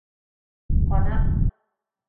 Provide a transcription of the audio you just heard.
Kona.